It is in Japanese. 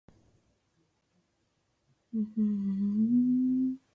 母は兄許り贔負にして居た。此兄はやに色が白くつて、芝居の真似をして女形になるのが好きだつた。